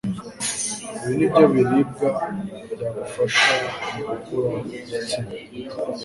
Ibi nibyo biribwa byagufasha mu gukura kw'igitsina